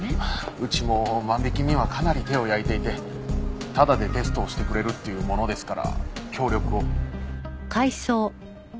うちも万引きにはかなり手を焼いていてタダでテストをしてくれるって言うものですから協力を。